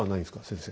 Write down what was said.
先生。